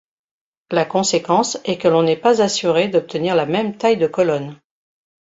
La conséquence est que l'on est pas assuré d'obtenir la même taille de colonnes.